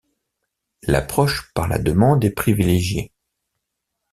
L'approche par la demande est privilégiée.